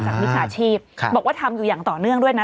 จากภิกษาอาชีพค่ะบอกว่าทำอยู่อย่างต่อเนื่องด้วยนะ